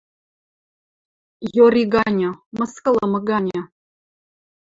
Йори ганьы, мыскылымы ганьы